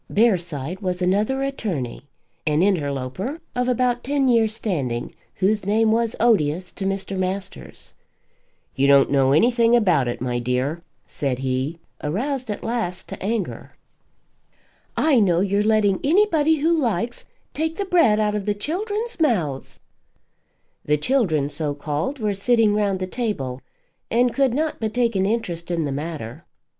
Bearside was another attorney, an interloper of about ten years' standing, whose name was odious to Mr. Masters. "You don't know anything about it, my dear," said he, aroused at last to anger. "I know you're letting anybody who likes take the bread out of the children's mouths." The children, so called, were sitting round the table and could not but take an interest in the matter.